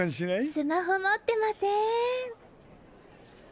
スマホもってません。